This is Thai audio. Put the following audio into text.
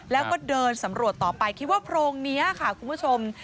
แล้วก็เดินสำรวจต่อไปคิดว่าโพรงนี้ค่ะคุณผู้ชม